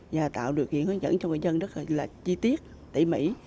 và tạo điều kiện hướng dẫn cho người dân rất là chi tiết tỉ mỉ